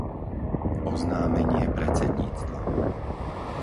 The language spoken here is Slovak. Oznámenie predsedníctva